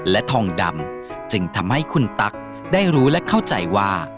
และทองดำจึงทำให้คุณตั๊กได้รู้และเข้าใจว่า